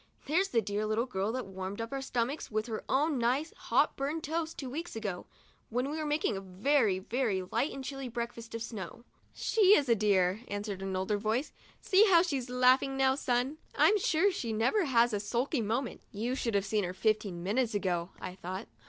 "There's the dear little girl that warmed up our stomachs with her own nice, hot buttered toast two weeks ago, when we were making a very, very light and chilly breakfast of snow." ' She is a dear !" answered an older voice ;" see how she's laughing, son! I'm sure she never has a sulky moment." * You should have seen her fifteen minutes ago," I thought.